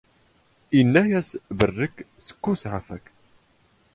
ⵉⵏⵏⴰ ⴰⵙ:" ⴱⵔⵔⴽ ⵙⴽⴽⵓⵙ ⵄⴰⴼⴰ ⴽ ".